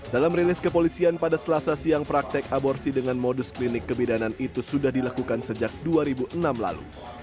dalam rilis kepolisian pada selasa siang praktek aborsi dengan modus klinik kebidanan itu sudah dilakukan sejak dua ribu enam lalu